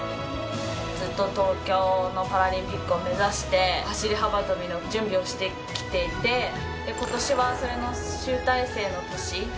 ずっと東京のパラリンピックを目指して、走り幅跳びの準備をしてきていて、ことしはそれの集大成の年。